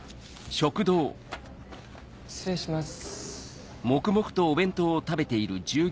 ・失礼します。